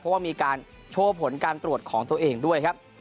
เพราะว่ามีการโชว์ผลการตรวจของตัวเองด้วยครับ